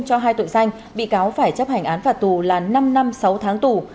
cho hai tội danh bị cáo phải chấp hành án phạt tù là năm năm sáu tháng tù